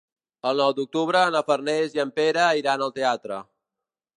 El nou d'octubre na Farners i en Pere iran al teatre.